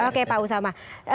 oke pak usama